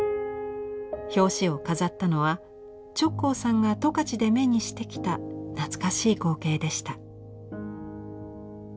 表紙を飾ったのは直行さんが十勝で目にしてきた懐かしい光景でした。